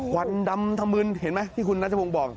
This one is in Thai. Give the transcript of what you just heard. วันดำถมืนเห็นไหมที่คุณนัทพงศ์บอก